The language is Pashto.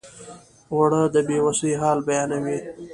اوړه د بې وسۍ حال بیانوي